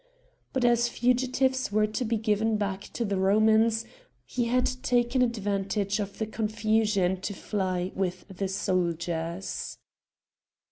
But, as fugitives were to be given back to the Romans, he had taken advantage of the confusion to fly with the soldiers.